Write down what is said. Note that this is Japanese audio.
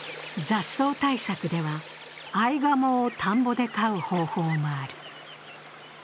雑草対策では、アイガモを田んぼで飼う方法もある。